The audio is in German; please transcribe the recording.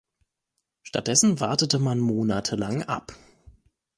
Stattdessen wartete man monatelang ab.